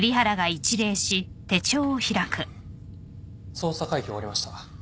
捜査会議終わりました。